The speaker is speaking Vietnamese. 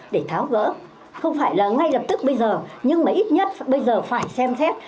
để tháo gỡ không phải là ngay lập tức bây giờ nhưng mà ít nhất bây giờ phải xem xét